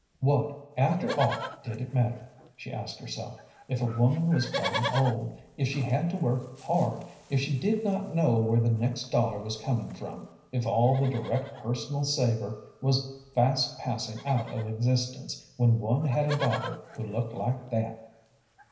"What, after all, did it matter?" she asked herself, "if a woman was growing old, if she had to work hard, if she did not know where the next dollar was coming from, if all the direct personal savor was fast passing out of existence, when one had a daughter who looked like that?"